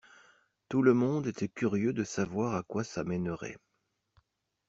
Tout le monde était curieux de savoir à quoi ça mènerait.